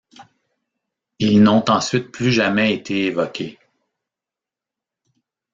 Ils n'ont ensuite plus jamais été évoqués.